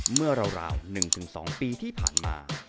เมื่อราว๑๒ปีที่ผ่านมา